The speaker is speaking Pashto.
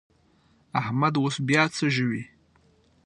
احمد اوس پياڅه ژووي.